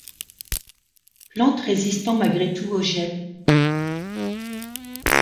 Plante résistant malgré tout au gel.